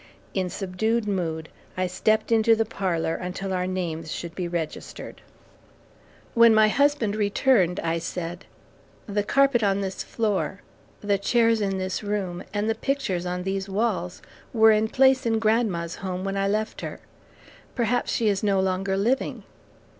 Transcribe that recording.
In subdued mood, I stepped into the parlor until our names should be registered. When my husband returned, I said, "The carpet on this floor, the chairs in this room, and the pictures on these walls were in place in grandma's home when I left her perhaps she is no longer living."